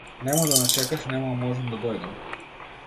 Немој да ме чекаш нема да можам да дојдам.